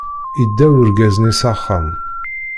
Idda urgaz-nni s axxam.